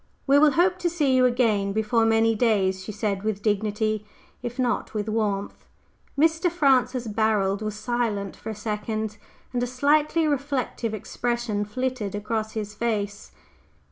"We will hope to see you again before many days," she said with dignity, if not with warmth. Mr. Francis Barold was silent for a second, and a slightly reflective expression flitted across his face.